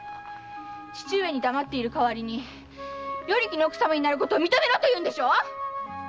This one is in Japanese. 父上に黙っている代わりに与力の奥様になることを認めろと言うんでしょ‼